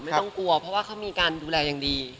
ไม่ต้องกลัวเพราะว่าเขามีการดูแลอย่างดี